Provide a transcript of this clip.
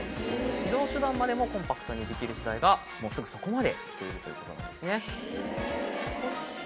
移動手段までもコンパクトにできる時代がもうすぐそこまで来ているということなんですね。